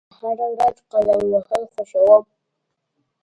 زه هره ورځ قدم وهل خوښوم.